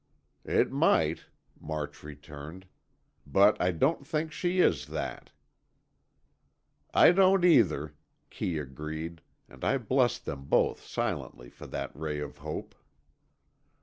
"It might," March returned, "but I don't think she is that." "I don't, either," Kee agreed, and I blessed them both silently for that ray of hope.